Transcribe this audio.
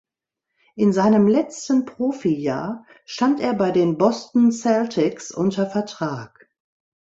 In seinem letzten Profijahr stand er bei den Boston Celtics unter Vertrag.